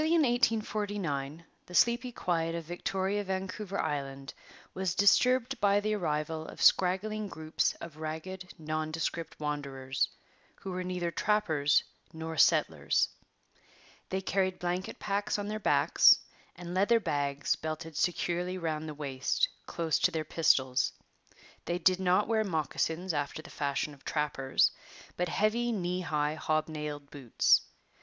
[Illustration: Map of the Cariboo Country] CHAPTER I THE 'ARGONAUTS' Early in 1849 the sleepy quiet of Victoria, Vancouver Island, was disturbed by the arrival of straggling groups of ragged nondescript wanderers, who were neither trappers nor settlers. They carried blanket packs on their backs and leather bags belted securely round the waist close to their pistols. They did not wear moccasins after the fashion of trappers, but heavy, knee high, hobnailed boots.